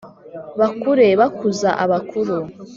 Bakure bakuza abakuru